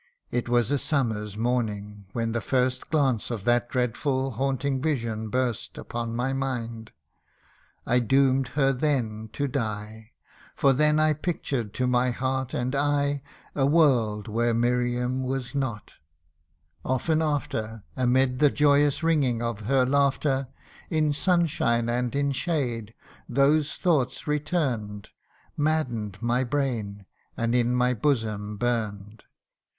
It was a summer's morning, when the first Glance of that dreadful haunting; vision burst O Upon my mind : I doom'd her then to die, For then I pictured to my heart and eye A world where Miriam was not : often after, Amid the joyous ringing of her laughter, In sunshine and in shade, those thoughts returned, Madden'd my brain, and in my bosom burn'd.